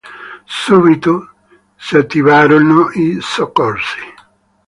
Subito si attivarono i soccorsi.